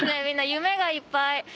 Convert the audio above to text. みんな夢がいっぱい。